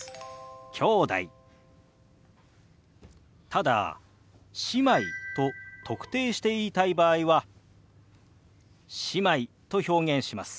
ただ「姉妹」と特定して言いたい場合は「姉妹」と表現します。